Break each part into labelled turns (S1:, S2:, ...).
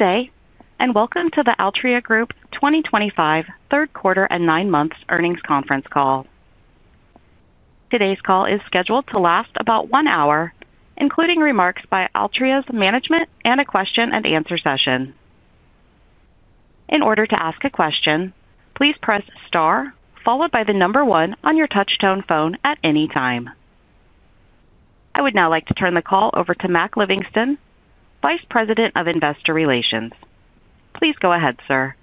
S1: Good day and welcome to the Altria Group 2025 third quarter and nine months earnings conference call. Today's call is scheduled to last about one hour, including remarks by Altria's management and a question and answer session. In order to ask a question, please press star followed by the number one on your touchtone phone at any time. I would now like to turn the call over to Mac Livingston, Vice President of Investor Relations. Please go ahead, sir.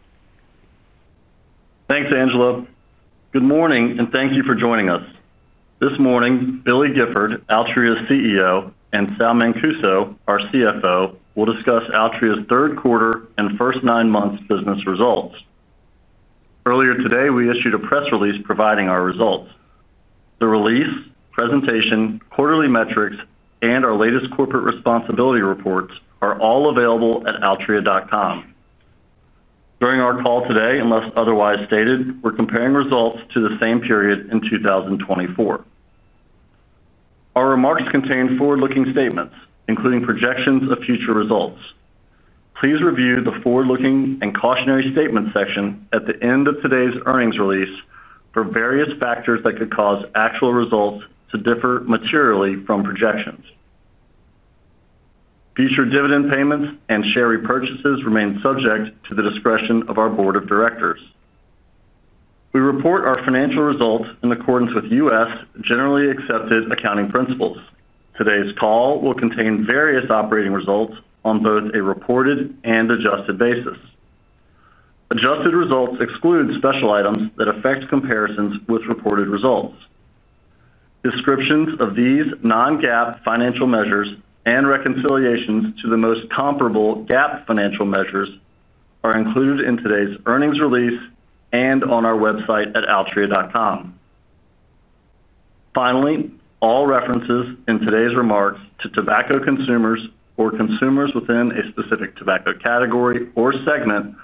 S2: Thanks, Angela. Good morning and thank you for joining us this morning. Billy Gifford, Altria's CEO, and Sal Mancuso, our CFO, will discuss Altria's third quarter and first nine months business results. Earlier today we issued a press release providing our results. The release, presentation, quarterly metrics, and our latest corporate responsibility reports are all available at altria.com. During our call today, unless otherwise stated, we're comparing results to the same period in 2024. Our remarks contain forward-looking statements including projections of future results. Please review the forward-looking and cautionary statements section at the end of today's earnings release for various factors that could cause actual results to differ materially from projections. Future dividend payments and share repurchases remain subject to the discretion of our Board of Directors. We report our financial results in accordance with U.S. generally accepted accounting principles. Today's call will contain various operating results on both a reported and adjusted basis. Adjusted results exclude special items that affect comparisons with reported results. Descriptions of these non-GAAP financial measures and reconciliations to the most comparable GAAP financial measures are included in today's earnings release and on our website at altria.com. Finally, all references in today's remarks to tobacco consumers or consumers within a specific tobacco category or segment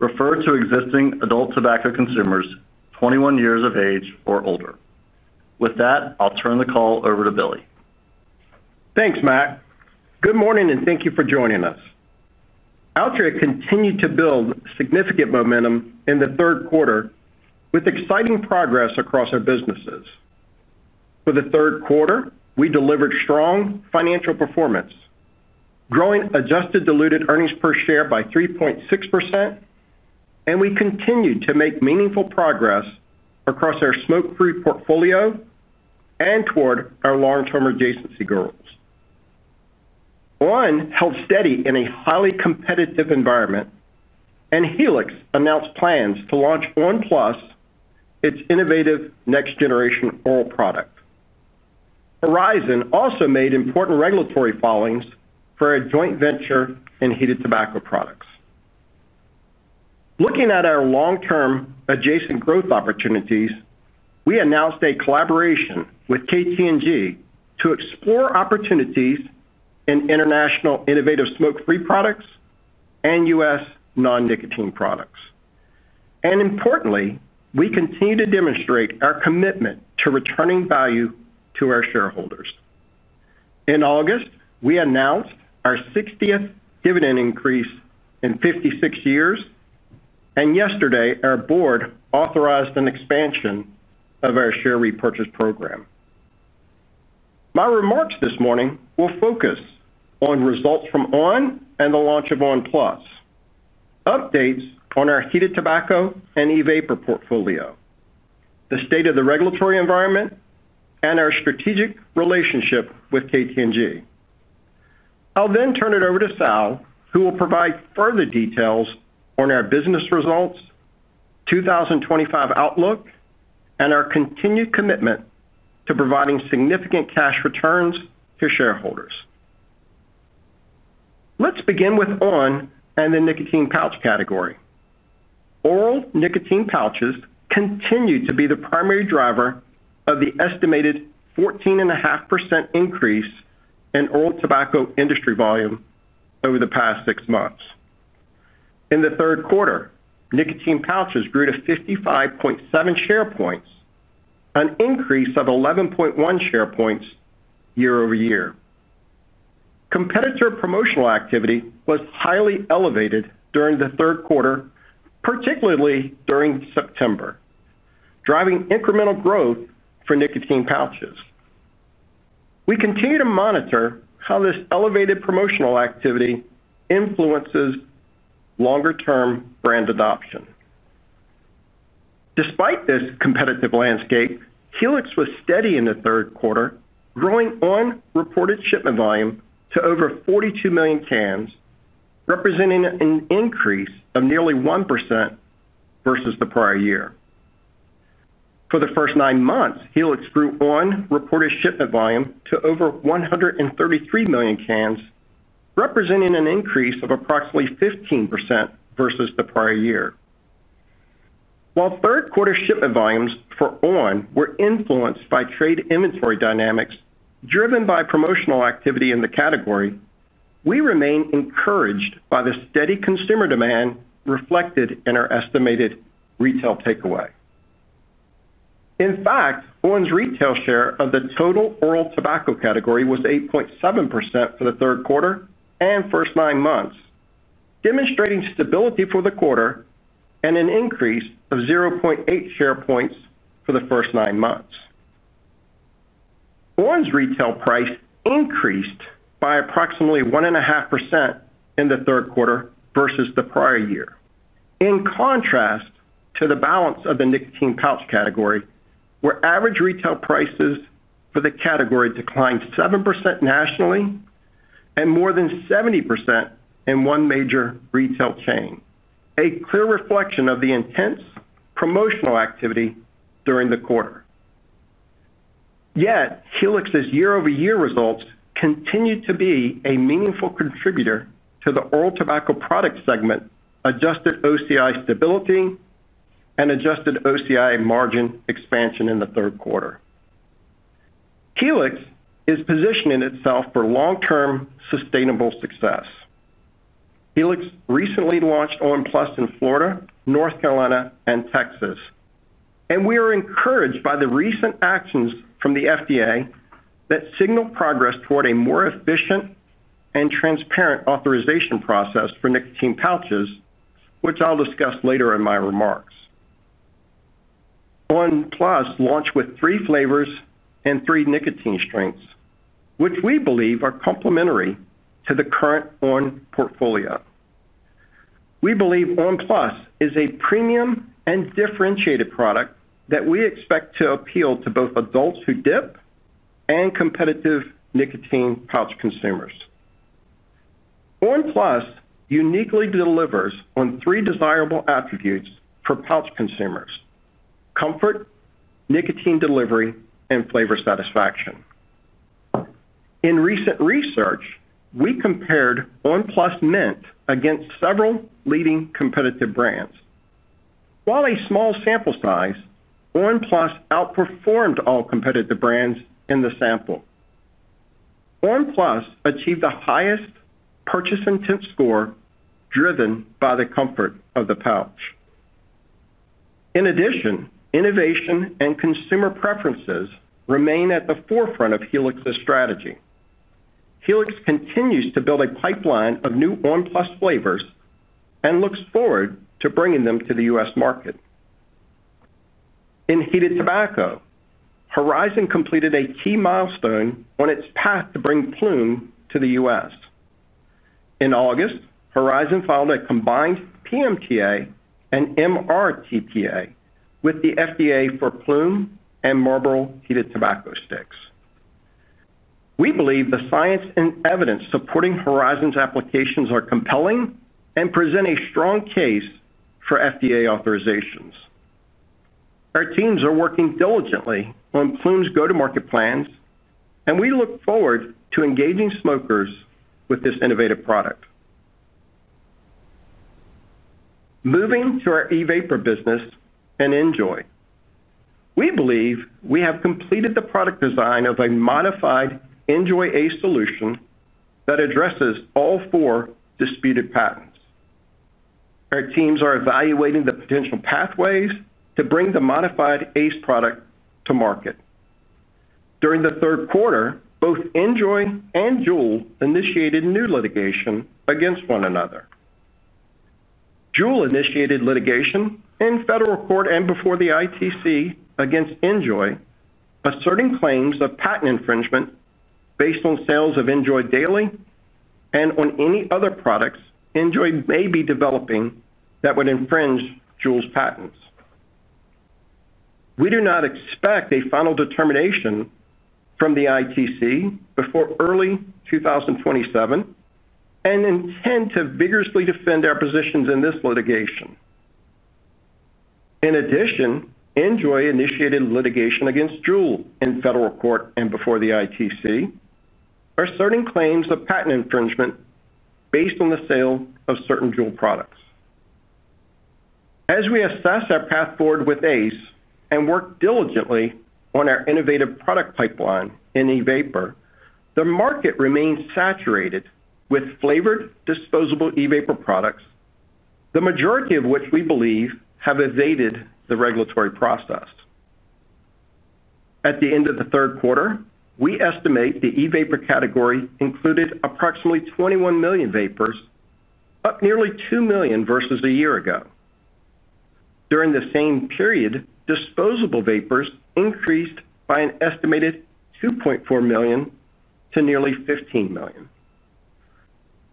S2: refer to existing adult tobacco consumers 21 years of age or older. With that, I'll turn the call over to Billy.
S3: Thanks, Mac. Good morning and thank you for joining us. Altria continued to build significant momentum in the third quarter with exciting progress across our businesses. For the third quarter, we delivered strong financial performance, growing adjusted diluted earnings per share by 3.6%, and we continued to make meaningful progress across our smoke-free portfolio and toward our long-term adjacency goals. on! held steady in a highly competitive environment, and Helix announced plans to launch on! PLUS, its innovative next-generation oral product. Horizon also made important regulatory filings for a joint venture in heated tobacco products. Looking at our long-term adjacent growth opportunities, we announced a collaboration with KT&G to explore opportunities in international innovative smoke-free products, and U.S. non-nicotine products, and importantly, we continue to demonstrate our commitment to returning value to our shareholders. In August, we announced our 60th dividend increase in 56 years, and yesterday our board authorized an expansion of our share repurchase program. My remarks this morning will focus on results from on! and the launch of on! PLUS, updates on our heated tobacco and e-vapor portfolio, the state of the regulatory environment, and our strategic relationship with KT&G. I'll then turn it over to Sal, who will provide further details on our business results, 2025 outlook, and our continued commitment to providing significant cash returns to shareholders. Let's begin with on! and the nicotine pouch category. Oral nicotine pouches continue to be the primary driver of the estimated 14.5% increase in oral tobacco industry volume over the past six months. In the third quarter, nicotine pouches grew to 55.7 share points, an increase of 11.1 share points year-over-year. Competitor promotional activity was highly elevated during the third quarter, particularly during September, driving incremental growth for nicotine pouches. We continue to monitor how this elevated promotional activity influences longer-term promotion brand adoption. Despite this competitive landscape, Helix was steady in the third quarter, growing on! reported shipment volume to over 42 million cans, representing an increase of nearly 1% versus the prior year. For the first nine months, Helix grew on! reported shipment volume to over 133 million cans, representing an increase of approximately 15% versus the prior year. While third quarter shipment volumes for on! were influenced by trade inventory dynamics driven by promotional activity in the category, we remain encouraged by the steady consumer demand reflected in our estimated retail takeaway. In fact, on!'s retail share of the total oral tobacco category was 8.7% for the third quarter and first nine months, demonstrating stability for the quarter and an increase of 0.8 share points for the first nine months. on! retail price increased by approximately 1.5% in the third quarter versus the prior year, in contrast to the balance of the nicotine pouch category where average retail prices for the category declined 7% nationally and more than 70% in one major retail chain, a clear reflection of the intense promotional activity during the quarter. Yet Helix's year-over-year results continue to be a meaningful contributor to the oral tobacco products segment. Adjusted OCI stability and adjusted OCI margin expansion in the third quarter. Helix is positioning itself for long term sustainable success. Helix recently launched on! PLUS in Florida, North Carolina, and Texas and we are encouraged by the recent actions from the FDA that signal progress toward a more efficient and transparent authorization process for nicotine pouches, which I'll discuss later in my remarks. on! PLUS launched with three flavors and three nicotine strengths, which we believe are complementary to the current on! portfolio. We believe on! PLUS is a premium and differentiated product that we expect to appeal to both adults who dip and competitive nicotine pouch consumers. on! PLUS uniquely delivers on three desirable attributes for pouch comfort, nicotine delivery, and flavor satisfaction. In recent research, we compared on! PLUS Mint against several leading competitive brands. While a small sample size, on! PLUS outperformed all competitive brands in the sample. on! PLUS achieved the highest purchase intent score driven by the comfort of the pouch. In addition, innovation and consumer preferences remain at the forefront of Helix's strategy. Helix continues to build a pipeline of new on! PLUS flavors and looks forward to bringing them to the U.S. market. In heated tobacco, Horizon completed a key milestone on its path to bring Ploom to the U.S. In August, Horizon filed a combined PMTA and MRTPA with the FDA for Ploom and Marlboro Heated Tobacco Sticks. We believe the science and evidence supporting Horizon's applications are compelling and present a strong case for FDA authorizations. Our teams are working diligently on Ploom's go to market plans and we look forward to engaging smokers with this innovative product. Moving to our e-vapor business and NJOY, we believe we have completed the product design of a modified NJOY, a solution that addresses all four disputed patents. Our teams are evaluating the potential pathways to bring the modified ACE product to market. During the third quarter, both NJOY and JUUL initiated new litigation against one another. JUUL initiated litigation in federal court and before the ITC against NJOY asserting claims of patent infringement based on sales of NJOY DAILY and on any other products NJOY may be developing that would infringe JUUL's patents. We do not expect a final determination from the ITC before early 2027 and intend to vigorously defend our positions in this litigation. In addition, NJOY initiated litigation against JUUL in federal court and before the ITC for certain claims of patent infringement based on the sale of certain JUUL products. As we assess our path forward with ACE and work diligently on our innovative product pipeline in e-vapor, the market remains saturated with flavored disposable e-vapor products, the majority of which we believe have evaded the regulatory process. At the end of the third quarter, we estimate the e-vapor category included approximately 21 million vapers, up nearly 2 million versus a year ago. During the same period, disposable vapers increased by an estimated 2.4 million to nearly 15 million.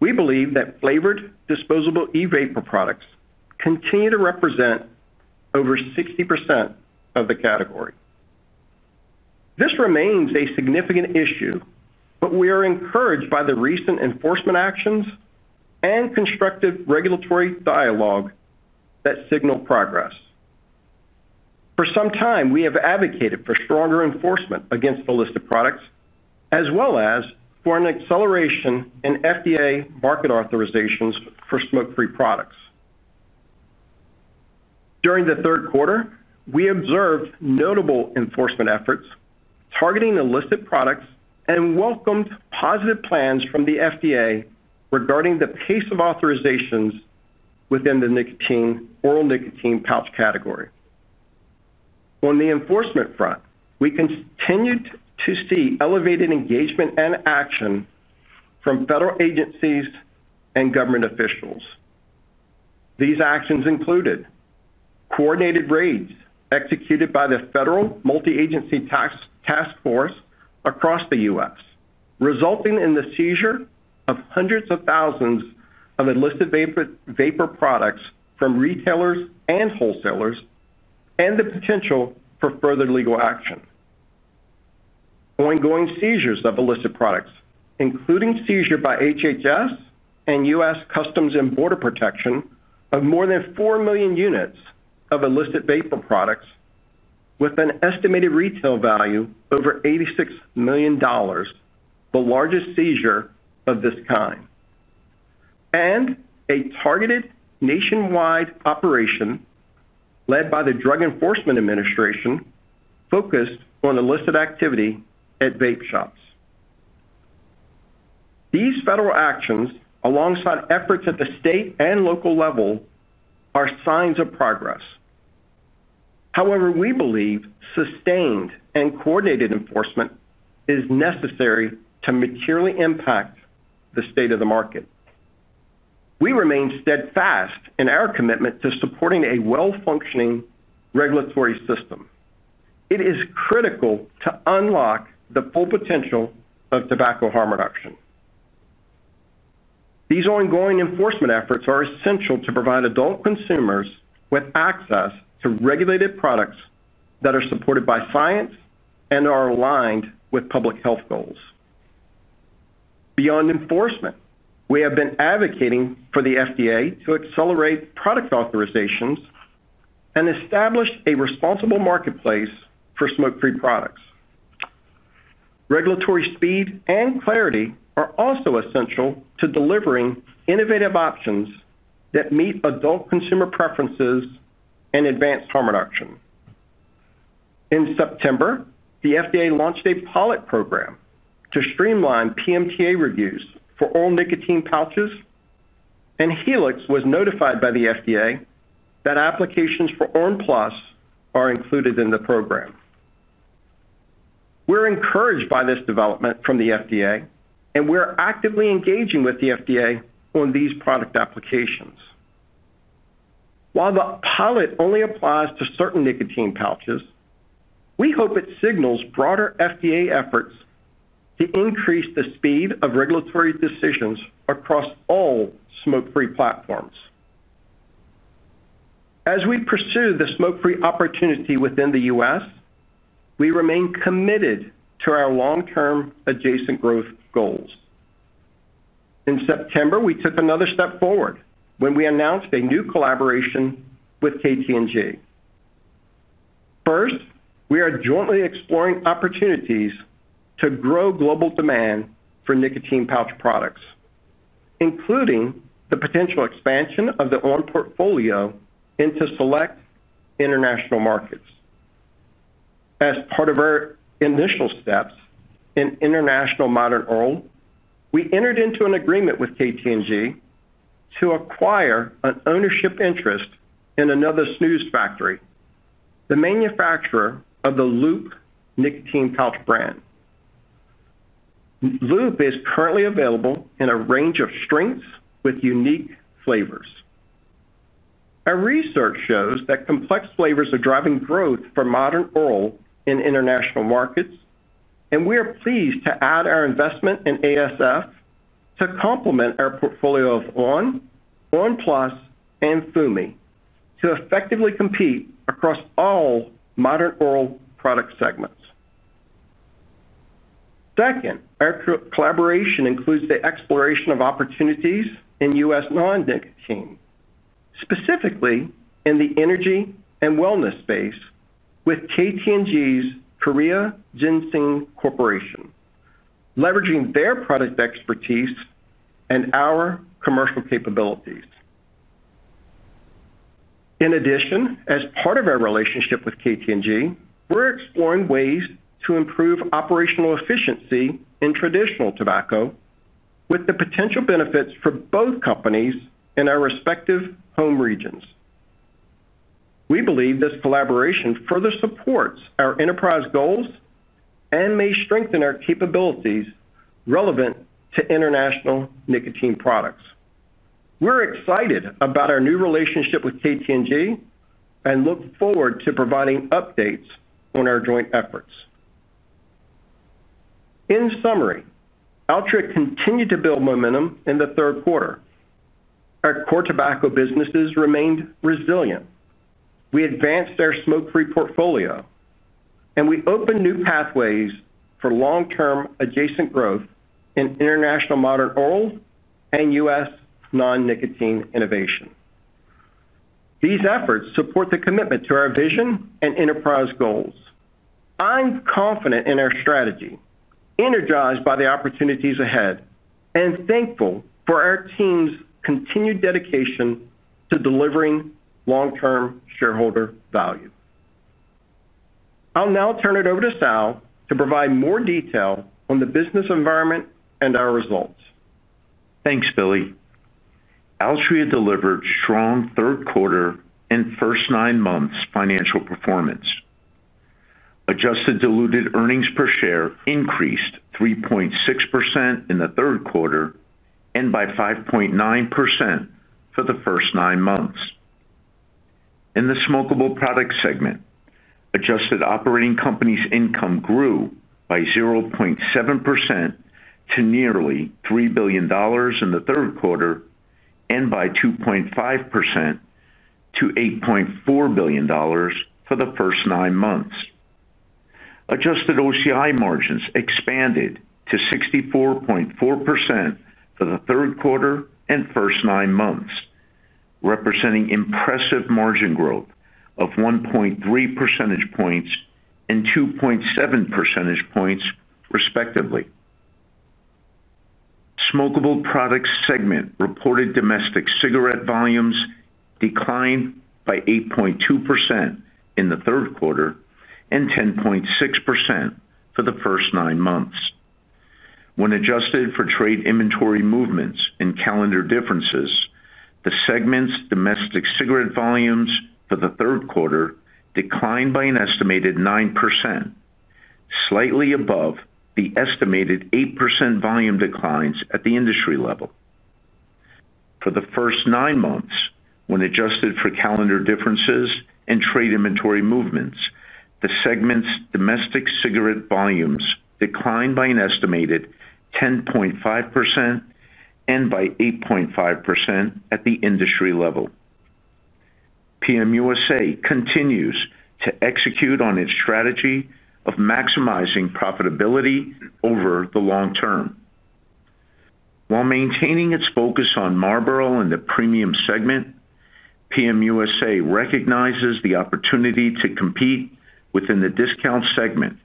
S3: We believe that flavored disposable e-vapor products continue to represent over 60% of the category. This remains a significant issue, but we are encouraged by the recent enforcement actions and constructive regulatory dialogue that signal progress. For some time we have advocated for stronger enforcement against illicit products as well as for an acceleration in FDA market authorizations for smoke-free products. During the third quarter we observed notable enforcement efforts targeting illicit products and welcomed positive plans from the FDA regarding the pace of authorizations within the oral nicotine pouch category. On the enforcement front, we continued to see elevated engagement and action from federal agencies and government officials. These actions included coordinated raids executed by the federal multi-agency task force across the U.S., resulting in the seizure of hundreds of thousands of illicit vapor products from retailers and wholesalers and the potential for further legal action. Ongoing seizures of illicit products, including seizure by HHS and U.S. Customs and Border Protection of more than 4 million units of illicit vapor products with an estimated retail value over $86 million, the largest seizure of this kind and a targeted nationwide operation led by the Drug Enforcement Administration focused on illicit activity at vape shops. These federal actions alongside efforts at the state and local level are signs of progress. However, we believe sustained and coordinated enforcement is necessary to materially impact the state of the market. We remain steadfast in our commitment to supporting a well-functioning regulatory system. It is critical to unlock the full potential of tobacco harm reduction. These ongoing enforcement efforts are essential to provide adult consumers with access to regulated products that are supported by science and are aligned with public health goals. Beyond enforcement, we have been advocating for the FDA to accelerate product authorizations and establish a responsible marketplace for smoke-free products. Regulatory speed and clarity are also essential to delivering innovative options that meet adult consumer preferences and advance harm reduction. In September, the FDA launched a pilot program to streamline PMTA reviews for oral nicotine pouches and Helix was notified by the FDA that applications for on! PLUS are included in the program. We're encouraged by this development from the FDA and we're actively engaging with the FDA on these product applications. While the pilot only applies to certain nicotine pouches, we hope it signals broader FDA efforts to increase the speed of regulatory decisions across all smoke-free platforms. As we pursue the smoke-free opportunity within the U.S., we remain committed to our long-term adjacent growth goals. In September, we took another step forward when we announced a new collaboration with KT&G. First, we are jointly exploring opportunities to grow global demand for nicotine pouch products, including the potential expansion of the on! portfolio into select international markets. As part of our initial steps in international modern oral, we entered into an agreement with KT&G to acquire an ownership interest in another snus factory, the manufacturer of the LOOP nicotine pouch brand. LOOP is currently available in a range of strengths with unique flavors. Our research shows that complex flavors are driving growth for modern oral in international markets, and we are pleased to add our investment in ASF to complement our portfolio of on! PLUS and FUMi to effectively compete across all modern oral product segments. Second, our collaboration includes the exploration of opportunities in U.S. non-nicotine, specifically in the energy and wellness space with KT&G's Korea Ginseng Corporation, leveraging their product expertise and our commercial capabilities. In addition, as part of our relationship with KT&G, we're exploring ways to improve operational efficiency in traditional tobacco with the potential benefits for both companies in our respective home regions. We believe this collaboration further supports our enterprise goals and may strengthen our capabilities relevant to international nicotine products. We're excited about our new relationship with KT&G and look forward to providing updates on our joint efforts. In summary, Altria continued to build momentum in the third quarter. Our core tobacco businesses remained resilient, we advanced our smoke-free portfolio, and we opened new pathways for long-term adjacent growth in international modern oral and U.S. non-nicotine innovation. These efforts support the commitment to our vision and enterprise goals. I'm confident in our strategy, energized by the opportunities ahead, and thankful for our team's continued dedication to delivering long-term shareholder value. I'll now turn it over to Sal to provide more detail on the business environment and our results.
S4: Thanks, Billy. Altria delivered strong third quarter and first nine months financial performance. Adjusted diluted earnings per share increased 3.6% in the third quarter and by 5.9% for the first nine months. In the smokeable products segment, adjusted operating companies income grew by 0.7% to nearly $3 billion in the third quarter and by 2.5% to $8.4 billion for the first nine months. Adjusted OCI margins expanded to 64.4% for the third quarter and first nine months, representing impressive margin growth of 1.3 percentage points and 2.7 percentage points, respectively. In the smokeable products segment, reported domestic cigarette volumes declined by 8.2% in the third quarter and 10.6% for the first nine months when adjusted for trade inventory movements and calendar differences. The segment's domestic cigarette volumes for the third quarter declined by an estimated 9%, slightly above the estimated 8% volume declines at the industry level for the first nine months. When adjusted for calendar differences and trade inventory movements, the segment's domestic cigarette volumes declined by an estimated 10.5% and by 8.5% at the industry level. PM USA continues to execute on its strategy of maximizing profitability over the long term while maintaining its focus on Marlboro in the premium segment. PM USA recognizes the opportunity to compete within the discount segment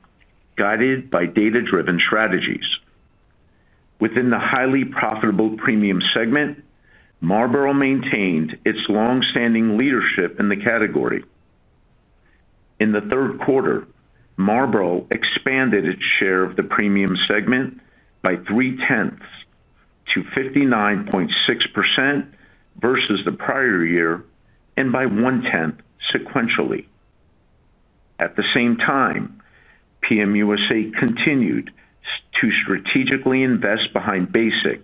S4: guided by data-driven strategies. Within the highly profitable premium segment, Marlboro maintained its long-standing leadership in the category. In the third quarter, Marlboro expanded its share of the premium segment by 0.3 to 59.6% versus the prior year and by 0.1 sequentially. At the same time, PM USA continued to strategically invest behind Basic,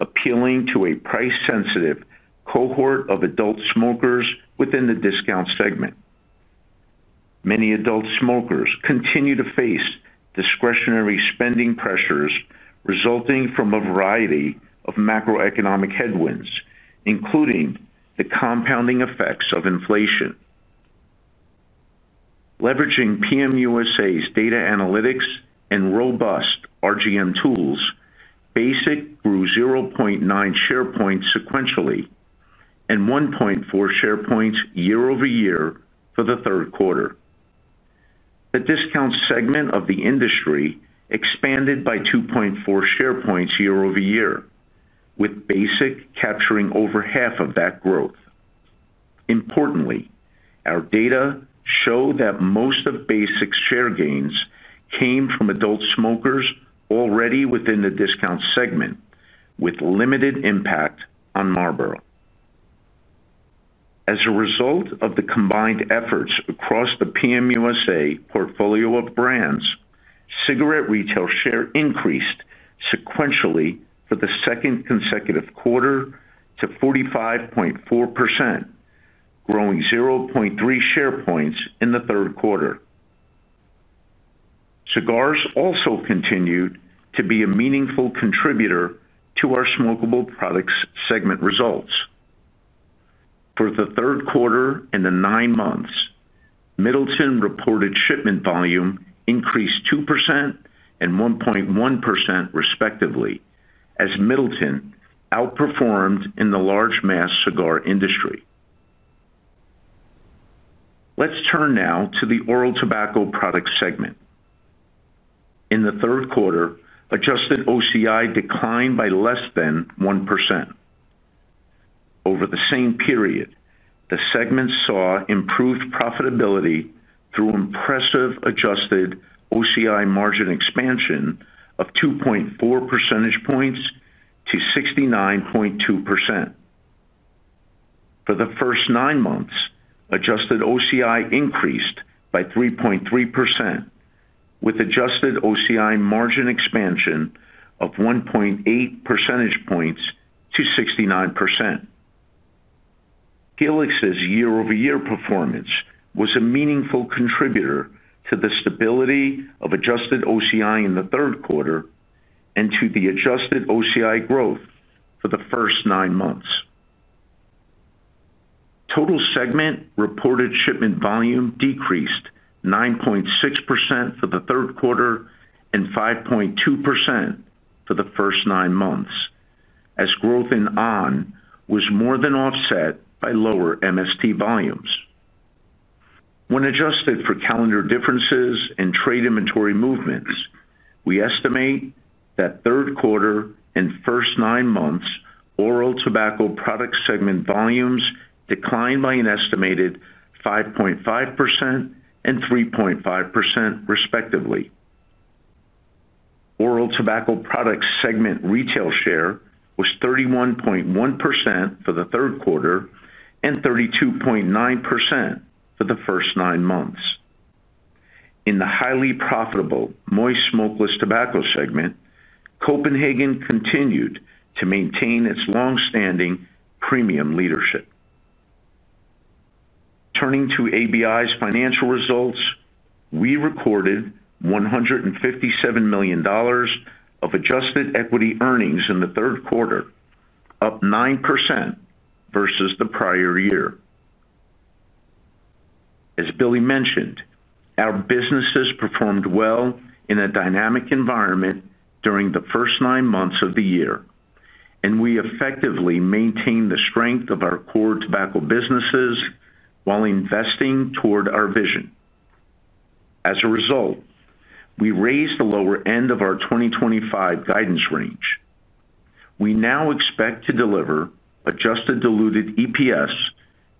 S4: appealing to a price-sensitive cohort of adult smokers within the discount segment. Many adult smokers continue to face discretionary spending pressures resulting from a variety of macroeconomic headwinds, including the compounding effects of inflation. Leveraging PM USA's data analytics and robust RGM tools, Basic grew 0.9 share points sequentially and 1.4 share points year-over-year. For the third quarter, the discount segment of the industry expanded by 2.4 share points year-over-year, with Basic capturing over half of that growth. Importantly, our data show that most of Basic's share gains came from adult smokers already within the discount segment with limited impact on Marlboro. As a result of the combined efforts across the PM USA portfolio of brands, cigarette retail share increased sequentially for the second consecutive quarter to 45.4%, growing 0.3 share points in the third quarter. Cigars also continued to be a meaningful contributor to our smokeable products segment. Results for the third quarter and the nine months, Middleton reported shipment volume increased 2% and 1.1% respectively, as Middleton outperformed in the large mass cigar industry. Let's turn now to the oral tobacco products segment. In the third quarter, adjusted OCI declined by less than 1% over the same period. The segment saw improved profitability through impressive adjusted OCI margin expansion of 2.4 percentage points to 69.2% for the first nine months. Adjusted OCI increased by 3.3% with adjusted OCI margin expansion of 1.8 percentage points to 69%. Helix's year-over-year performance was a meaningful contributor to the stability of adjusted OCI in the third quarter and to the adjusted OCI growth for the first nine months. Total segment reported shipment volume decreased 9.6% for the third quarter and 5.2% for the first nine months as growth in on! was more than offset by lower MST volumes. When adjusted for calendar differences and trade inventory movements, we estimate that third quarter and first nine months oral tobacco product segment volumes declined by an estimated 5.5% and 3.5% respectively. Oral tobacco products segment retail share was 31.1% for the third quarter and 32.9% for the first nine months. In the highly profitable moist smokeless tobacco segment, Copenhagen continued to maintain its long-standing premium leadership. Turning to ABI's financial results, we recorded $157 million of adjusted equity earnings in the third quarter, up 9% versus the prior year. As Billy mentioned, our businesses performed well in a dynamic environment during the first nine months of the year and we effectively maintained the strength of our core tobacco businesses while investing toward our vision. As a result, we raised the lower end of our 2025 guidance range. We now expect to deliver adjusted diluted EPS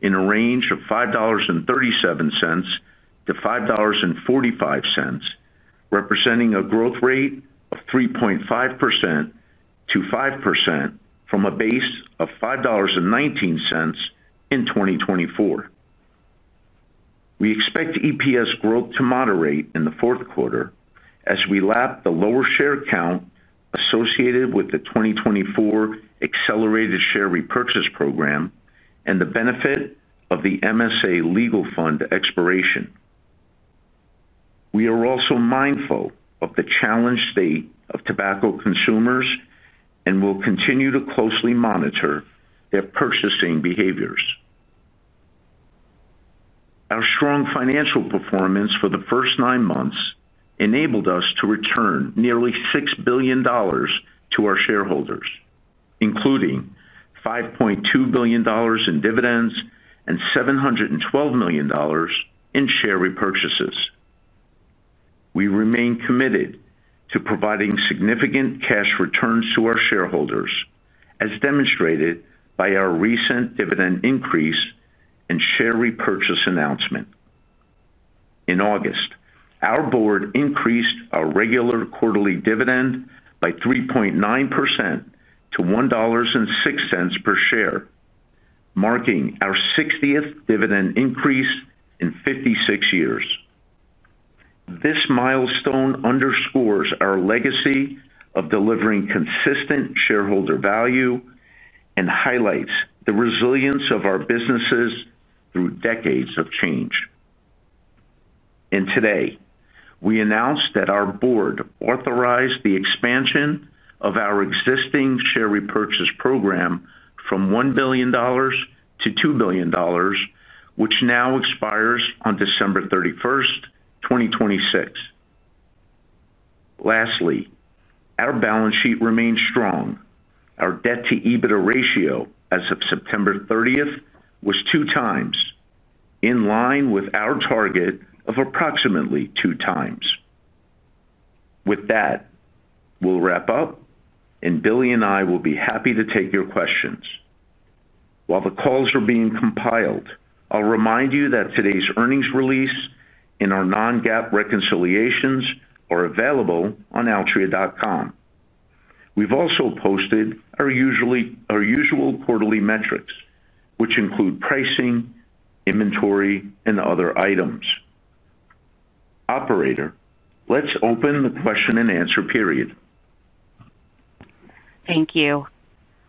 S4: in a range of $5.37-$5.45, representing a growth rate of 3.5%-5% from a base of $5.19 in 2024. We expect EPS growth to moderate in the fourth quarter as we lap the lower share count associated with the 2024 accelerated share repurchase program and the benefit of the MSA Legal Fund expiration. We are also mindful of the challenged state of tobacco consumers and will continue to closely monitor their purchasing behavior. Our strong financial performance for the first nine months enabled us to return nearly $6 billion to our shareholders, including $5.2 billion in dividends and $712 million in share repurchases. We remain committed to providing significant cash returns to our shareholders as demonstrated by our recent dividend increase and share repurchase announcement. In August, our board increased our regular quarterly dividend by 3.9% to $1.06 per share, marking our 60th dividend increase in 56 years. This milestone underscores our legacy of delivering consistent shareholder value and highlights the resilience of our businesses through decades of change. Today we announced that our board authorized the expansion of our existing share repurchase program from $1 billion to $2 billion, which now expires on December 31st, 2026. Lastly, our balance sheet remains strong. Our debt to EBITDA ratio as of September 30th was 2x, in line with our target of approximately 2x. With that, we'll wrap up and Billy and I will be happy to take your questions while the calls are being compiled. I'll remind you that today's earnings release and our non-GAAP reconciliations are available on altria.com. We've also posted our usual quarterly metrics, which include pricing, inventory, and other items. Operator, let's open the question and answer period.
S1: Thank you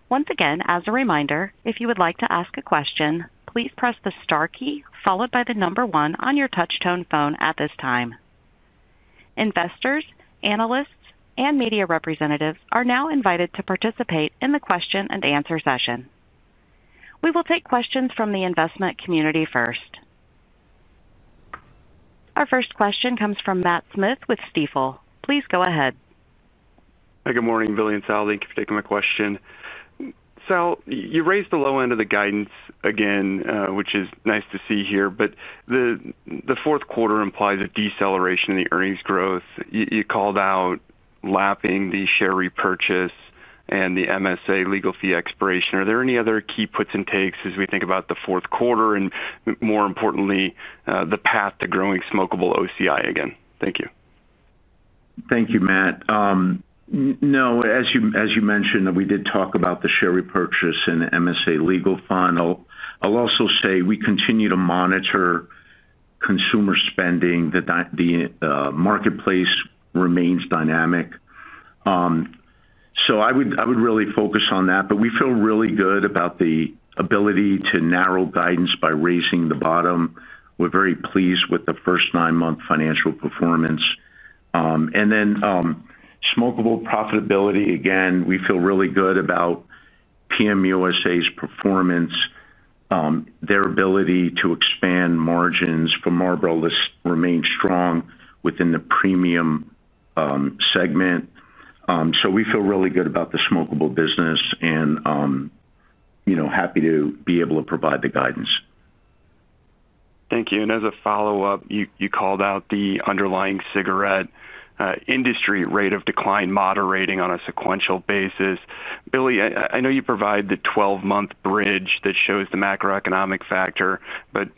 S1: once again. As a reminder, if you would like to ask a question, please press the star key followed by the number one on your touchtone phone at this time. Investors, analysts, and media representatives are now invited to participate in the question and answer session. We will take questions from the investment community first. Our first question comes from Matt Smith with Stifel. Please go ahead.
S5: Good morning Billy and Sal. Thank you for taking my question. Sal, you raised the low end of the guidance again, which is nice to see here. The fourth quarter implies a deceleration in the earnings growth. You called out lapping the share repurchase and the MSA legal fee expiration. Are there any other key puts and takes as we think about the fourth quarter and, more importantly, the path to growing smokeable OCI? Again, thank you.
S4: Thank you, Matt. As you mentioned, we did talk about the share repurchase and MSA legal fund. I'll also say we continue to monitor consumer spending. The marketplace remains dynamic, so I would really focus on that. We feel really good about the ability to narrow guidance by raising the bottom. We're very pleased with the first nine month financial performance and smokeable profitability. Again, we feel really good about PM USA's performance. Their ability to expand margins for Marlboro remained strong within the premium segment. We feel really good about the smokeable business and happy to be able to provide the guidance.
S5: Thank you. As a follow up, you called out the underlying cigarette industry rate of decline moderating on a sequential basis. Billy, I know you provide the 12-month bridge that shows the macroeconomic factor, but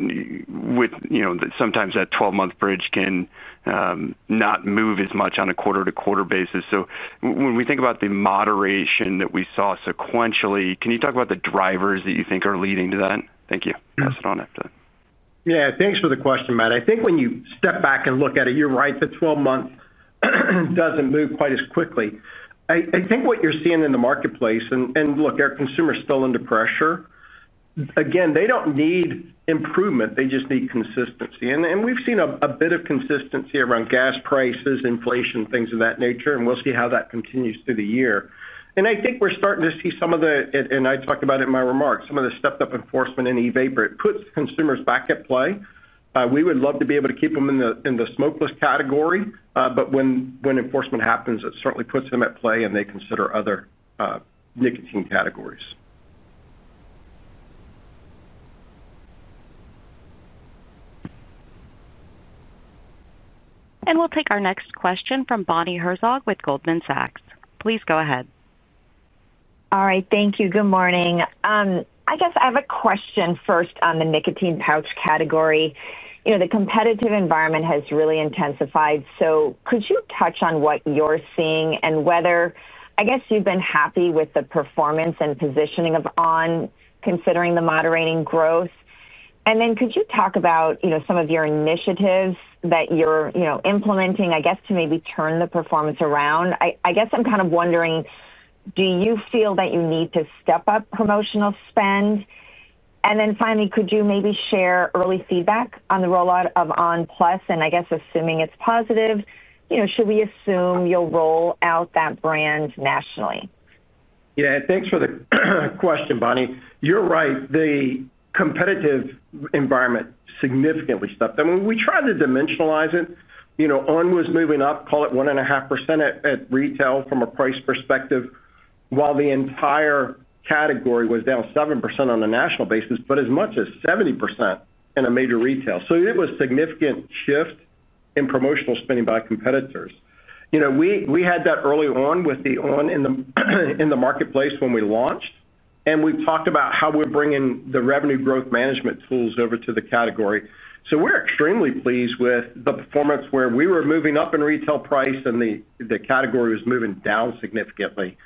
S5: sometimes that 12-month bridge cannot move as much on a quarter-to-quarter basis. When we think about the moderation that we saw sequentially, can you talk about the drivers that you think are leading to that? Thank you. Pass it on after that.
S3: Yeah, thanks for the question, Matt. I think when you step back and look at it, you're right, the 12-month doesn't move quite as quickly. I think what you're seeing in the marketplace, our consumers are still under pressure. Again, they don't need improvement, they just need consistency. We've seen a bit of consistency around gas prices, inflation, things of that nature. We'll see how that continues through the year. I think we're starting to see some of the, and I talked about it in my remarks, some of the stepped-up enforcement in e-vapor. It puts consumers back at play. We would love to be able to keep them in the smokeless category, but when enforcement happens, it certainly puts them at play and they consider other nicotine categories.
S1: We'll take our next question from Bonnie Herzog with Goldman Sachs. Please go ahead.
S6: All right, thank you. Good morning. I guess I have a question first on the nicotine pouch category. The competitive environment has really intensified. Could you touch on what you're seeing and whether, I guess, you've been happy with the performance and positioning of on! considering the moderating growth? Could you talk about some of your initiatives that you're implementing, I guess, to maybe turn the performance around? I'm kind of wondering, do you feel that you need to step up promotional spend? Finally, could you maybe share early feedback on the rollout of on! PLUS? I guess assuming it's positive, should we assume you'll roll out that brand nationally?
S3: Yeah, thanks for the question, Bonnie. You're right. The competitive environment significantly stopped. I mean, we tried to dimensionalize it. on! was moving up, call it 1.5% at retail from a price perspective, while the entire category was down 7% on a national basis, but as much as 70% in a major retail. It was a significant shift in promotional spending by competitors. We had that early on with the on! in the marketplace when we launched, and we talked about how we're bringing the revenue growth management tools over to the category. We're extremely pleased with the performance where we were moving up in retail price and the category was moving down significantly.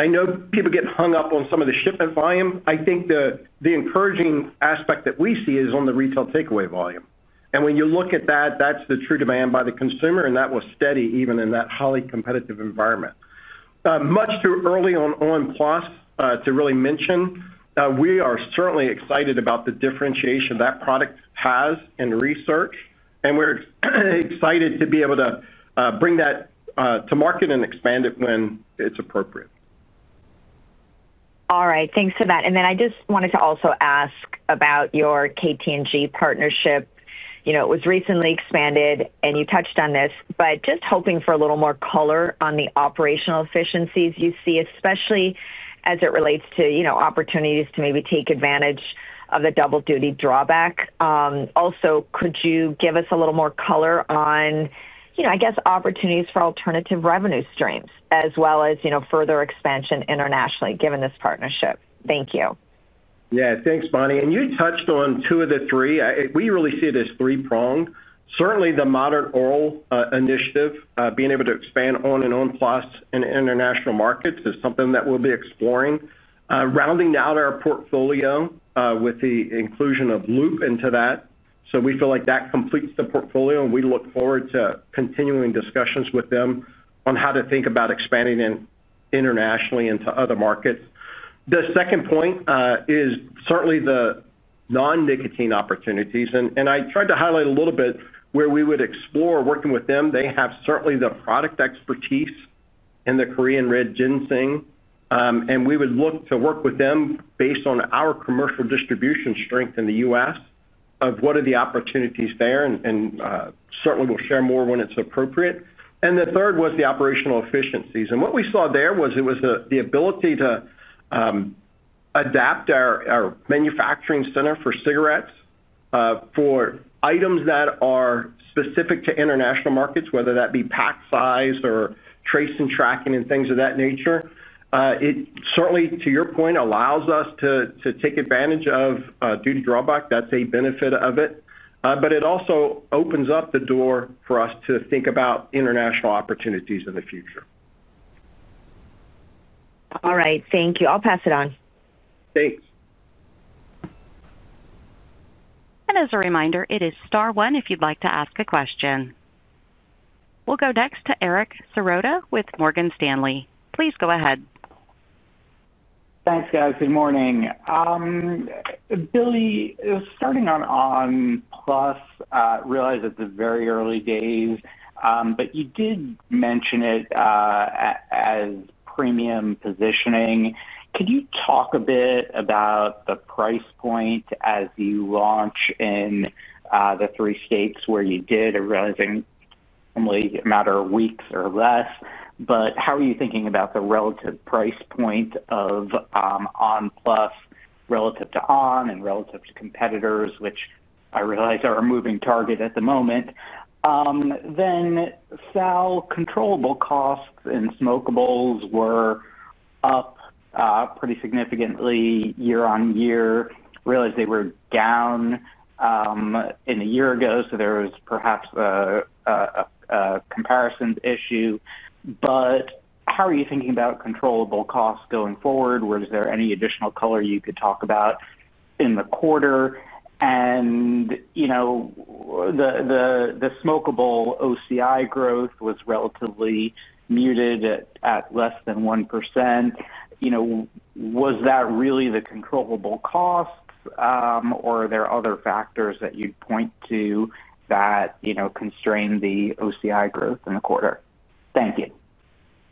S3: I know people get hung up on some of the shipment volume. I think the encouraging aspect that we see is on the retail takeaway volume. When you look at that, that's the true demand by the consumer, and that was steady even in that highly competitive environment. Much too early on on! PLUS to really mention, we are certainly excited about the differentiation that product has in research, and we're excited to be able to bring that to market and expand it when it's appropriate.
S6: All right, thanks for that. I just wanted to also ask about your KT&G partnership. It was recently expanded and you touched on this, but just hoping for a little more color on the operational efficiencies you see, especially as it relates to opportunities to maybe take advantage of the double duty drawback. Also, could you give us a little more color on, I guess, opportunities for alternative revenue streams as well as further expansion internationally, given this partnership. Thank you.
S3: Yeah, thanks, Bonnie. You touched on two of the three. We really see it as three pronged. Certainly the modern oral initiative, being able to expand on! and on! PLUS in international markets, is something that we'll be exploring, rounding out our portfolio with the inclusion of LOOP into that. We feel like that completes the portfolio, and we look forward to continuing discussions with them on how to think about expanding internationally into other markets. The second point is certainly the non-nicotine opportunities, and I tried to highlight a little bit where we would explore working with them. They have certainly the product expertise in the Korean red ginseng, and we would look to work with them based on our commercial distribution strength in the U.S. of what are the opportunities there. We will share more when it's appropriate. The third was the operational efficiencies. What we saw there was the ability to adapt our manufacturing center for cigarettes for items that are specific to international markets, whether that be pack size or tracing, tracking, and things of that nature. It certainly, to your point, allows us to take advantage of duty drawback. That's a benefit of it. It also opens up the door for us to think about international opportunities in the future.
S6: All right, thank you. I'll pass it on.
S3: Thanks.
S1: As a reminder, it is star One. If you'd like to ask a question, we'll go next to Eric Serotta with Morgan Stanley. Please go ahead.
S7: Thanks guys. Good morning. Billy, starting on on! PLUS, realize it's very early days, but you did mention it as premium positioning. Could you talk a bit about the price point as you launch in the three states where you did, realizing only a matter of weeks or less? How are you thinking about the relative price point of on! PLUS relative to on! and relative to competitors, which I realize are a moving target at the moment? Sal, controllable costs in smokeables were up pretty significantly year-on-year. Realize they were down a year ago, so there was perhaps a comparison issue. How are you thinking about controllable costs going forward? Was there any additional color you could talk about in the quarter? The smokeable OCI growth was relatively muted at less than 1%. Was that really the controllable costs or are there other factors that you'd point to that constrained the OCI? Growth in the quarter? Thank you.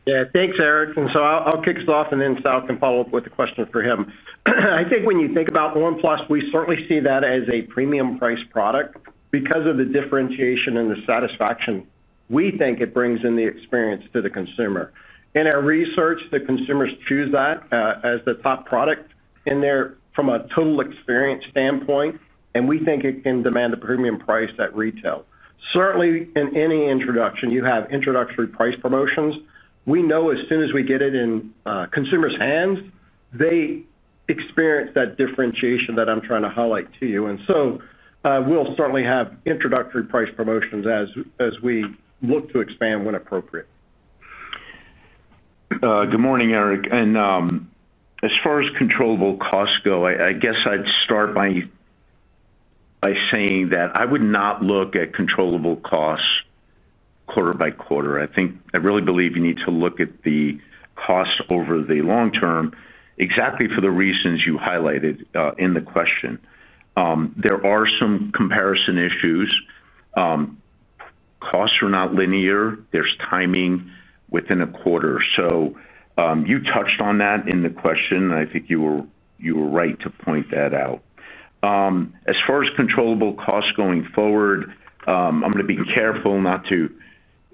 S3: Yeah, thanks, Eric. I'll kick us off and then Sal can follow up with a question for him. I think when you think about on! PLUS, we certainly see that as a premium price product because of the differentiation and the satisfaction we think it brings in the experience to the consumer. In our research, the consumers choose that as the top product in there from a total experience standpoint. We think it can demand a premium price at retail. Certainly, in any introduction you have introductory price promotions. We know as soon as we get it in consumers' hands, they experience that differentiation that I'm trying to highlight to you. We'll certainly have introductory price promotions as we look to expand when appropriate.
S4: Good morning, Eric. As far as controllable costs go, I guess I'd start by saying that I would not look at controllable costs quarter-by-quarter. I really believe you need to look at the cost over the long term, exactly for the reasons you highlighted in the question. There are some comparison issues. Costs are not linear, there's timing within a quarter. You touched on that in the question. I think you were right to point that out. As far as controllable costs going forward, I'm going to be careful not to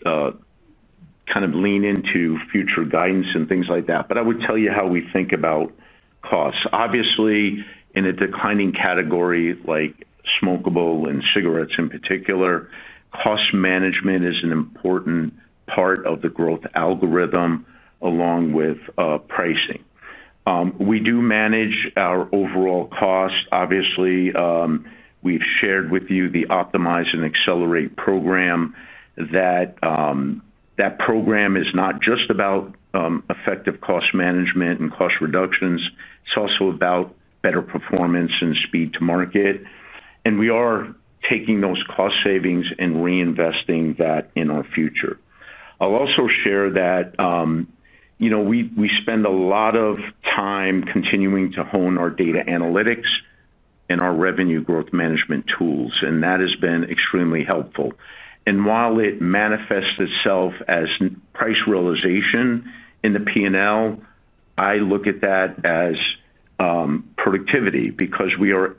S4: kind of lean into future guidance and things like that, but I would tell you how we think about costs. Obviously, in a declining category like smokeable and cigarettes in particular, cost management is an important part of the growth algorithm. Along with pricing, we do manage our overall cost. Obviously, we've shared with you the Optimize & Accelerate program. That program is not just about effective cost management and cost reductions. It's also about better performance and speed to market, and we are taking those cost savings and reinvesting that in our future. I'll also share that we spend a lot of time continuing to hone our data analytics and our revenue growth management tools, and that has been extremely helpful. While it manifests itself as price realization in the P&L, I look at that as productivity because we are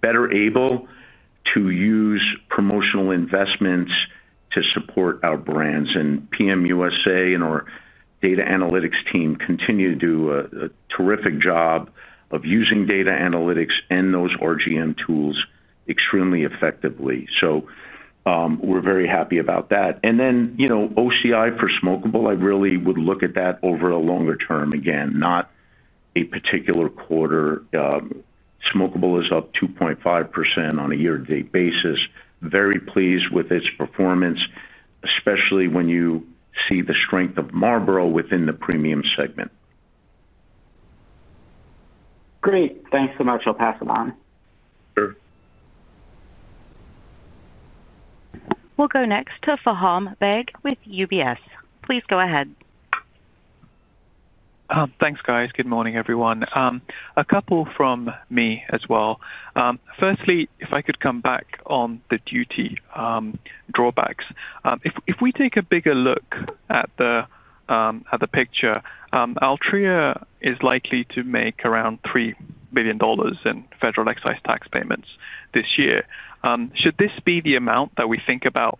S4: better able to use promotional investments to support our brands. PM USA and our data analytics team continue to do a terrific job of using data analytics and those RGM tools extremely effectively. We're very happy about that. OCI for smokeable, I really would look at that over a longer term, again, not a particular quarter. Smokeable is up 2.5% on a year-to-date basis. Very pleased with its performance, especially when you see the strength of Marlboro within the premium segment.
S7: Great, thanks so much. I'll pass it on.
S1: We'll go next to Faham Baig with UBS. Please go ahead.
S8: Thanks guys. Good morning everyone. A couple from me as well. Firstly, if I could come back on the duty drawbacks. If we take a bigger look at the picture, Altria is likely to make around $3 billion in federal excise tax payments this year. Should this be the amount that we think about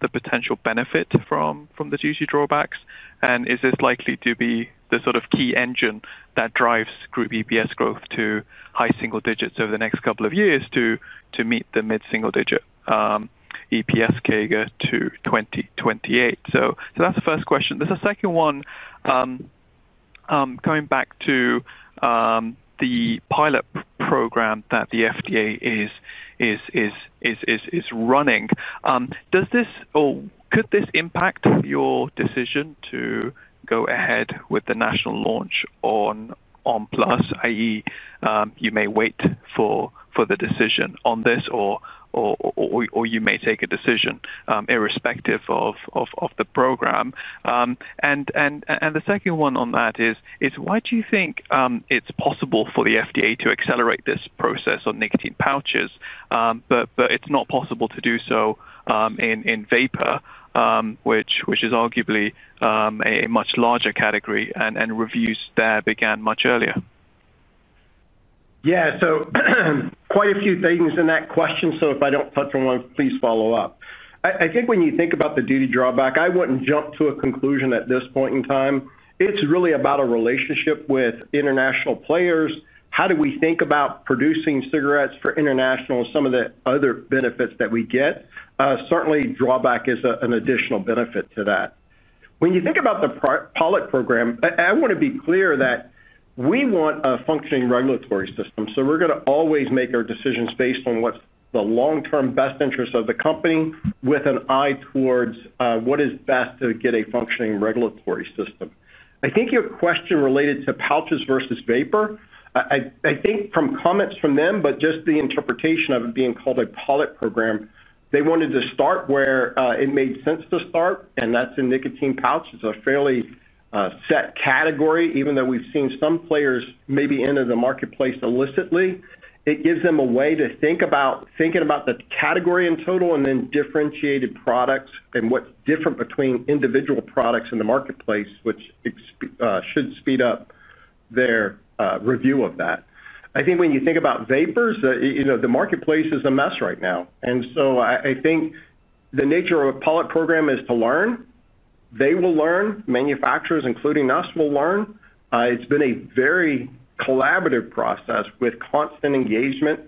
S8: the potential benefit from the duty drawbacks? Is this likely to be the sort of key engine that drives group EPS growth to high single digits over the next couple of years to meet the mid single digit EPS CAGR to 2028? That's the first question. There's a second one coming back to the pilot program that the FDA is running. Does this or could this impact your decision to go ahead with the national launch of on! PLUS? That is, you may wait for the decision on this or you may take a decision irrespective of the program. The second one on that is why do you think it's possible for the FDA to accelerate this process on nicotine pouches, but it's not possible to do so in vapor, which is arguably a much larger category and reviews there began much earlier?
S3: Quite a few things in that question. If I don't touch on one, please follow up. I think when you think about the duty drawback, I wouldn't jump to a conclusion at this point in time. It's really about a relationship with international players. How do we think about producing cigarettes for international. Some of the other benefits that we get, certainly drawback is an additional benefit to that. When you think about the pilot program, I want to be clear that we want a functioning regulatory system. We're going to always make our decisions based on what's the long term best interest of the company with an eye towards what is best to get a functioning regulatory system. I think your question related to pouches versus vapor, I think from comments from them, but just the interpretation of it being called a pilot program, they wanted to start where it made sense to start and that's in nicotine pouch. It's a fairly set category. Even though we've seen some players maybe enter the marketplace illicitly, it gives them a way to think about thinking about the category in total and then differentiated products and what's different between individual products in the marketplace, which should speed up their review of that. I think when you think about vapor, the marketplace is a mess right now. I think the nature of a pilot program is to learn. They will learn. Manufacturers, including us, will learn. It's been a very collaborative process with constant engagement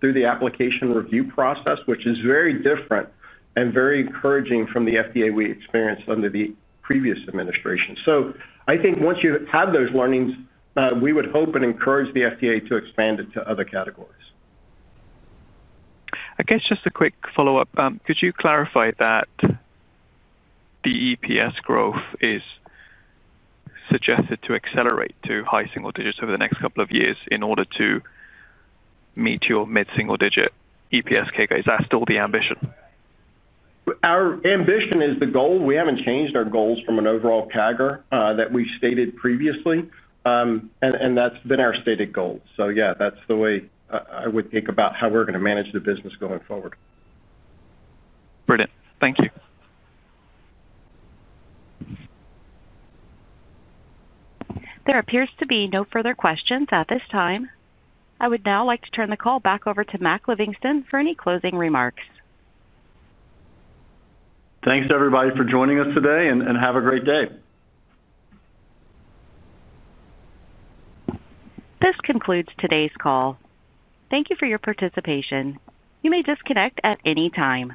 S3: through the application review process, which is very different and very encouraging from the FDA. We experienced under the previous administration. I think once you have those learnings, we would hope and encourage the FDA to expand it to other categories,
S8: I guess. Just a quick follow up. Could you clarify that the EPS growth is suggested to accelerate to high single digits over the next couple of years in order to meet your mid single digit EPS CAGR? Is that still the ambition?
S3: Our ambition is the goal. We haven't changed our goals from an overall CAGR that we stated previously and that's been our stated goal. That's the way I would think about how we're going to manage the business going forward.
S8: Brilliant. Thank you.
S1: There appears to be no further questions at this time. I would now like to turn the call back over to Mac Livingston for any closing remarks.
S2: Thanks everybody for joining us today, and have a great day.
S1: This concludes today's call. Thank you for your participation. You may disconnect at any time.